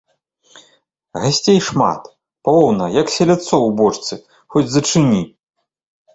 Гасцей шмат, поўна, як селядцоў у бочцы, хоць зачыні!